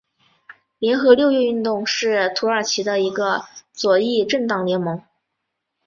联合六月运动是土耳其的一个左翼政党联盟。